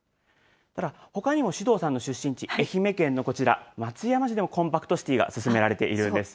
ほかにも首藤さんの出身地、愛媛県のこちら、松山市でもコンパクトシティが進められているんです。